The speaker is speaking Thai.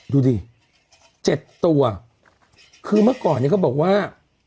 ดูดิเจ็ดตัวคือเมื่อก่อนเนี่ยเขาบอกว่า